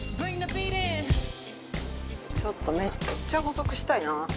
ちょっとめっちゃ細くしたいな。